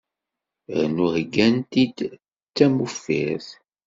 Rnu heggan-t-id d tamuffirt.